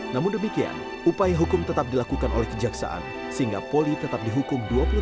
namun demikian upaya hukum tetap dilakukan oleh kejaksaan sehingga poli tetap dihukum dua puluh tahun